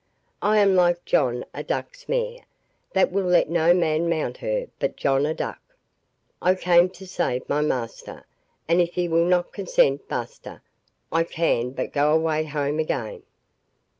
I am like John a Duck's mare, that will let no man mount her but John a Duck. I came to save my master, and if he will not consent—basta—I can but go away home again.